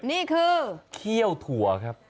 นี่คือเขี้ยวถั่วครับ